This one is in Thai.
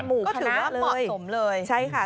หมูก็ถือว่าเหมาะสมเลยใช่ค่ะ